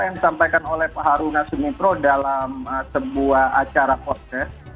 yang disampaikan oleh pak haruna sumitro dalam sebuah acara postres